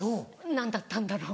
何だったんだろう。